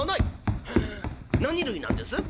「へえ何類なんです？」。